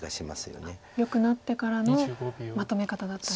よくなってからのまとめ方だったり。